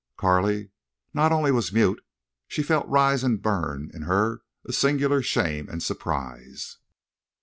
Carley not only was mute; she felt rise and burn in her a singular shame and surprise.